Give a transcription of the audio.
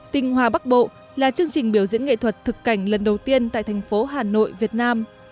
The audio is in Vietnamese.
tinh hoa bắc bộ là chương trình biểu diễn nghệ thuật thực cảnh lần đầu tiên tại thành phố hà nội việt nam